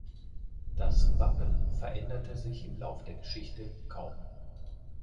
Das Wappen veränderte sich im Lauf der Geschichte kaum.